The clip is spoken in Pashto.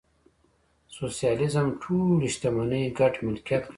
سوشیالیزم ټولې شتمنۍ ګډ ملکیت ګڼي.